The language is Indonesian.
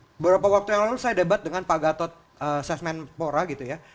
beberapa waktu yang lalu saya debat dengan pak gatot sesmenpora gitu ya